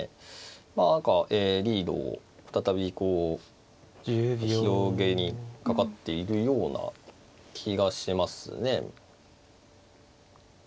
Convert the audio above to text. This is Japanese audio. まあ何かリードを再びこう広げにかかっているような気がしますね。